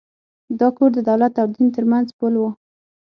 دا کور د دولت او دین تر منځ پُل و.